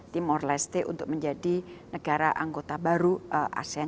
tim ost untuk menjadi negara anggota baru asean